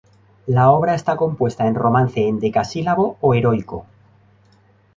La obra está compuesta en romance endecasílabo o heroico.